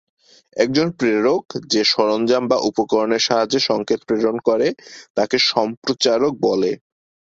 একজন প্রেরক যে সরঞ্জাম বা উপকরণের সাহায্যে সংকেত প্রেরণ করে, তাকে সম্প্রচারক বলে।